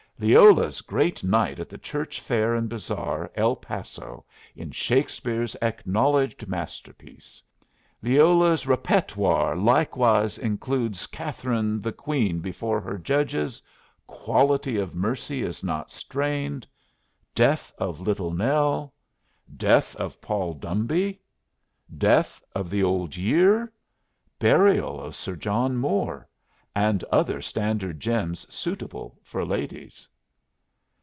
"Leola's great night at the church fair and bazar, El Paso, in Shakespeare's acknowledged masterpiece. Leola's repetwar likewise includes 'Catherine the Queen before her Judges,' 'Quality of Mercy is not Strained,' 'Death of Little Nell,' 'Death of Paul Dombey,' 'Death of the Old Year,' 'Burial of Sir John Moore,' and other standard gems suitable for ladies."